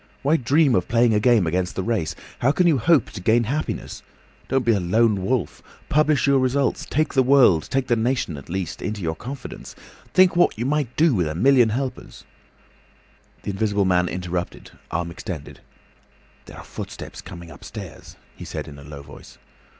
Why dream of playing a game against the race? How can you hope to gain happiness? Don't be a lone wolf. Publish your results; take the world—take the nation at least—into your confidence. Think what you might do with a million helpers—" The Invisible Man interrupted—arm extended. "There are footsteps coming upstairs," he said in a low voice.